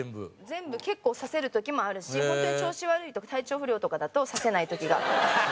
全部結構刺せる時もあるしホントに調子悪い時体調不良とかだと刺せない時が。